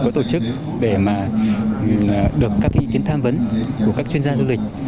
tỉnh có tổ chức để được các ý kiến tham vấn của các chuyên gia du lịch